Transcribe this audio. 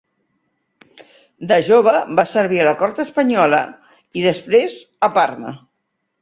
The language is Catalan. De jove va servir a la cort espanyola i després a Parma.